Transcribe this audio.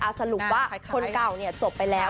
สรุปว่าคนเก่าจบไปแล้ว